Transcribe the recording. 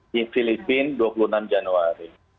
di filipina dua puluh enam januari